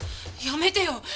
やめてよ。